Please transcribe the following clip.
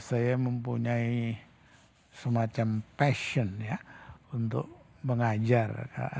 saya mempunyai semacam passion ya untuk mengajar